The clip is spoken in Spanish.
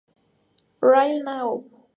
Ryo Nagai